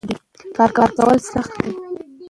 کار کول سخت دي.